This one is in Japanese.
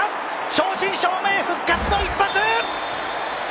正真正銘、復活の一発。